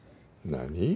何！？